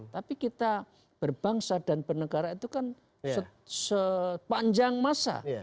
tapi kita berbangsa dan bernegara itu kan sepanjang masa